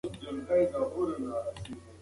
حقیقت پټ نه پاتې کېږي.